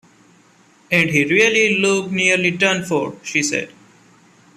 “And he really looked nearly done for,” she said.